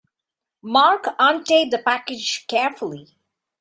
Mark untaped the package carefully.